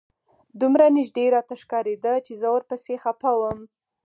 دومره نژدې راته ښکارېده چې زه ورپسې خپه وم.